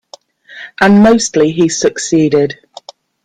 And mostly he succeeded.